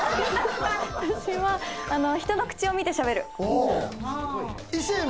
私は人の口を見てしゃべる。